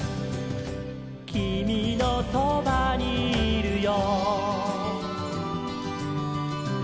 「きみのそばにいるよ」